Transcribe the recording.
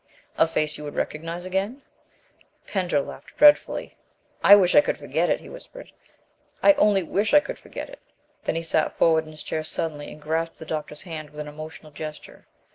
"A face you would recognize again?" Pender laughed dreadfully. "I wish I could forget it," he whispered, "I only wish I could forget it!" Then he sat forward in his chair suddenly, and grasped the doctor's hand with an emotional gesture.